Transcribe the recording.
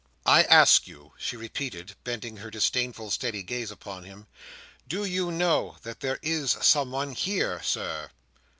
"I ask you," she repeated, bending her disdainful, steady gaze upon him, "do you know that there is someone here, Sir?"